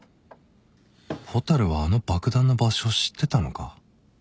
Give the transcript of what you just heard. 蛍はあの爆弾の場所を知ってたのか？